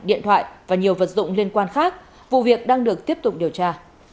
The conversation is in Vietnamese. điện thoại và nhiều vật dụng liên quan khác vụ việc đang được tiếp tục điều tra